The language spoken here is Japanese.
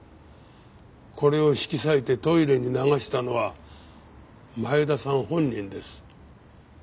これを引き裂いてトイレに流したのは前田さん本人です。